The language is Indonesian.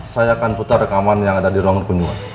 saya akan putar rekaman yang ada di ruangan kunjungan